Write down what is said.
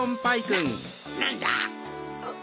なんだ？